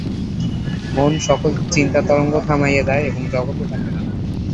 মন সকল চিন্তাতরঙ্গ থামাইয়া দেয় এবং জগৎও থাকে না।